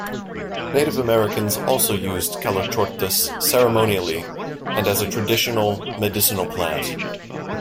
Native Americans also used "Calochortus" ceremonially and as a traditional medicinal plant.